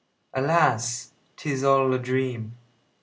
Alas! 't is all a dream.